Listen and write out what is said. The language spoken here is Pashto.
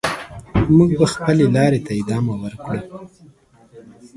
موږ به د خپلې لارې ته ادامه ورکړو.